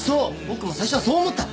僕も最初はそう思った。